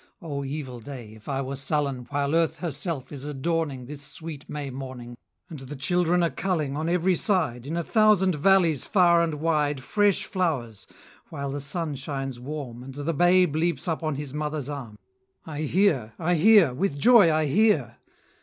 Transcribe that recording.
O evil day! if I were sullen While Earth herself is adorning, This sweet May morning, 45 And the children are culling On every side, In a thousand valleys far and wide, Fresh flowers; while the sun shines warm, And the babe leaps up on his mother's arm:— 50 I hear, I hear, with joy I hear!